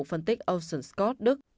phân tích ocean scott đức